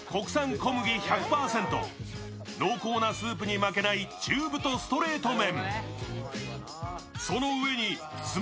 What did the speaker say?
濃厚なスープに負けない、中太ストレート麺。